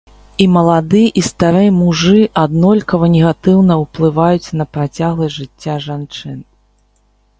І малады, і стары мужы аднолькава негатыўна ўплываюць на працягласць жыцця жанчын.